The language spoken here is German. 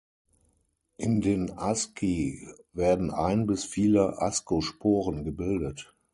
In den Asci werden ein bis viele Ascosporen gebildet.